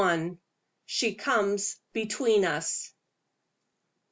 SHE COMES BETWEEN US.